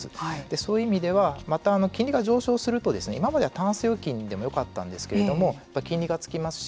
そういう意味ではまた金利が上昇すると今までは、たんす預金でもよかったんですけれども金利がつきますし。